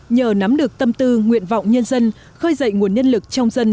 nhờ nắm được tâm tư nguyện vọng nhân dân khơi dậy nguồn nhân lực trong dân